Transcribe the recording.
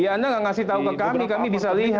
iya anda nggak ngasih tahu ke kami kami bisa